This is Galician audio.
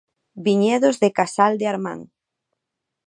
Viñedos de casal de Armán.